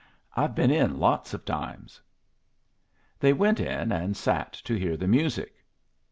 I've been in lots of times." They went in and sat to hear the music.